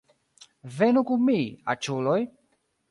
Venu kun mi, aĉuloj